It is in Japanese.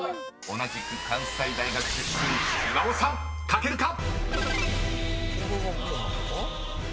［同じく関西大学出身岩尾さん書けるか⁉］